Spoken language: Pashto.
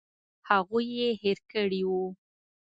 هغوی یې هېر کړي وو.